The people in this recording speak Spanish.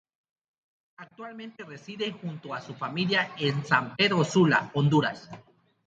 Actualmente reside junto a su familia en San Pedro Sula, Honduras.